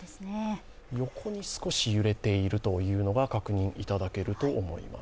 横に少し揺れているというのが確認いただけると思います。